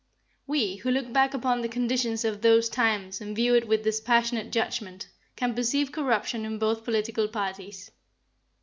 "We, who look back upon the conditions of those times and view it with dispassionate judgment, can perceive corruption in both political parties.